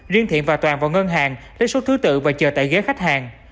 riêng thiện và toàn vào ngân hàng lấy số thứ tự và chờ tại ghế khách hàng